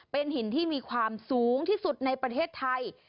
เป็นหินที่มีความสูงที่สุดในประเทศไทย